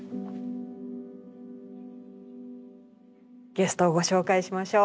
ゲストをご紹介しましょう。